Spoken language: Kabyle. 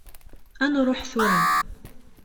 Ad nruḥ tura.